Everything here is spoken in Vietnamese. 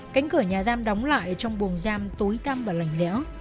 cánh cửa nhà giam đóng lại trong buồng giam tối tăm và lành lẽo